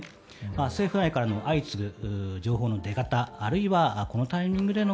政府内からの相次ぐ情報の出方あるいは、このタイミングでの